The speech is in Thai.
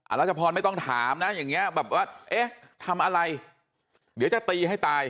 รัชพรไม่ต้องถามนะอย่างนี้แบบว่าเอ๊ะทำอะไรเดี๋ยวจะตีให้ตาย